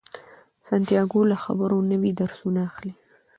سانتیاګو له خبرو نوي درسونه اخلي.